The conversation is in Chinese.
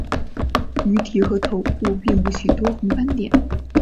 鱼体和头部遍布许多红斑点。